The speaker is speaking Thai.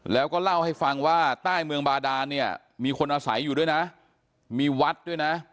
แล้วก็เล่าให้ฟังว่าใต้เมืองบาดานเนี่ยมีคนอาศัยอยู่ด้วยนะมีวัดด้วยนะ